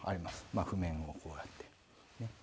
まあ譜面もこうやって。